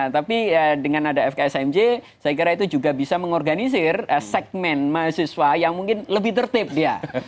tapi dengan ada fksmj saya kira itu juga bisa mengorganisir segmen mahasiswa yang mungkin lebih tertib dia